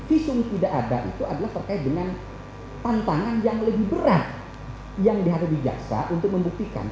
visum tidak ada itu adalah terkait dengan tantangan yang lebih berat yang dihadirkan di jaksa untuk membuktikan